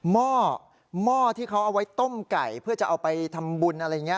หม้อหม้อที่เขาเอาไว้ต้มไก่เพื่อจะเอาไปทำบุญอะไรอย่างนี้